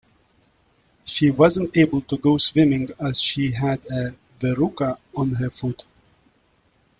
She wasn't able to go swimming as she had a verruca on her foot